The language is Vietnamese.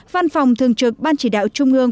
văn phòng thường trực ban chỉ đạo trung ương